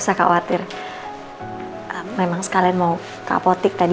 nah dewi engkau mau ke sini